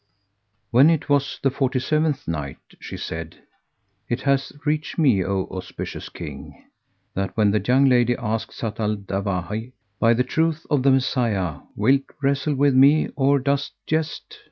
When it was the Forty seventh Night, She said, It hath reached me, O auspicious King, that when the young lady asked Zat al Dawahi, "By the truth of the Messiah, wilt wrestle with me or dost jest?"